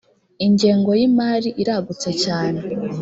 ingengo y ‘imari iragutse cyane.